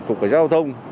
cục cảnh sát giao thông